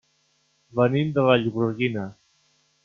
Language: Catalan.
Venim de Vallgorguina.